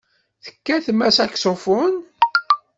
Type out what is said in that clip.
Tekkatem asaksufun?